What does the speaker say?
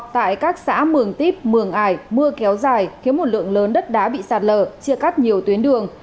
tại các xã mường tiếp mường ải mưa kéo dài khiến một lượng lớn đất đá bị sạt lở chia cắt nhiều tuyến đường